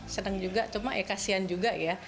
senang juga cuma ya kasihan juga ya